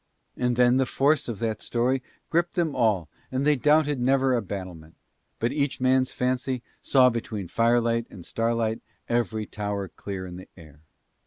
And then the force of that story gripped them all and they doubted never a battlement, but each man's fancy saw between firelight and starlight every tower clear in the air.